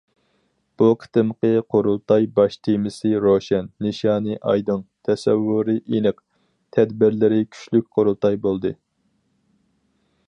بۇ قېتىمقى قۇرۇلتاي باش تېمىسى روشەن، نىشانى ئايدىڭ، تەسەۋۋۇرى ئېنىق، تەدبىرلىرى كۈچلۈك قۇرۇلتاي بولدى.